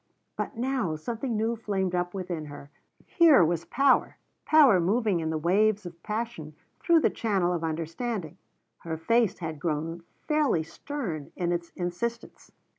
But now something new flamed up within her. Here was power power moving in the waves of passion through the channel of understanding. Her face had grown fairly stern in its insistence.